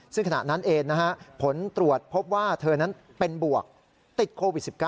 ซึ่งขณะนั้นเองผลตรวจพบว่าเธอนั้นเป็นบวกติดโควิด๑๙